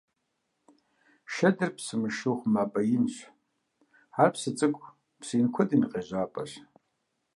Шэдыр псы мышыу хъумапӀэ инщ, ар псы цӀыкӀу, псы ин куэдым я къежьапӀэщ.